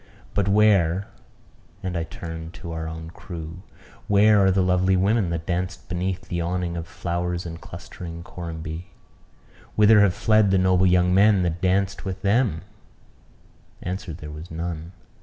"But where," and I turned to our own crew "Where are the lovely women that danced beneath the awning of flowers and clustering corymbi? Whither have fled the noble young men that danced with them?" Answer there was none.